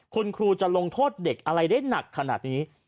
คุณครูจะลงโทษเด็กอะไรได้หนักขนาดนี้